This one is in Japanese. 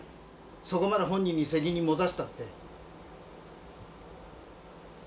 そこまで本人に責任持たせたって。